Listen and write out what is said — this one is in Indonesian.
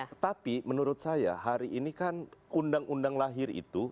tetapi menurut saya hari ini kan undang undang lahir itu